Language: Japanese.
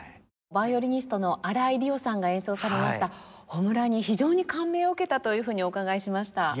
ヴァイオリニストの荒井里桜さんが演奏されました『炎』に非常に感銘を受けたというふうにお伺いしました。